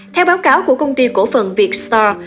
theo báo cáo của công ty cổ phận vietstar